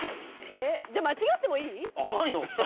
間違ってもいい？